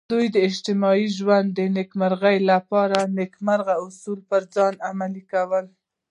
دوی د اجتماعي ژوندانه د نیکمرغۍ لپاره نیکمرغه اصول پر ځان عملي کوي.